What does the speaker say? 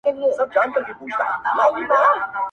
په څپو د اباسین دي خدای لاهو کړه کتابونه-